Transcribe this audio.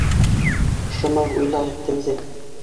Шома, уйлайыҡ тәүҙә.